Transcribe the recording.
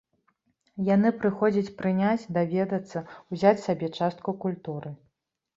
Яны прыходзяць прыняць, даведацца, узяць сабе частку культуры.